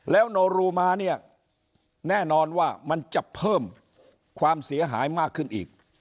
แล้วโนรูมาเนี่ยแน่นอนว่ามันจะเพิ่มความเสียหายมากขึ้นอีก